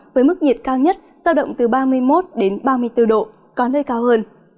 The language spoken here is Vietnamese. với mức nhiệt cao nhất giao động từ ba mươi một đến ba mươi bốn độ có nơi cao hơn